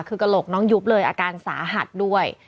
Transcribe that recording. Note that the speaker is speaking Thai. คือกระโหลกน้องยุบเลยอาการสาหัสด้วย